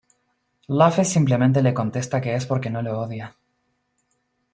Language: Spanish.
Luffy simplemente le contesta que es porque no lo odia.